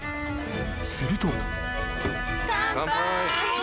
すると］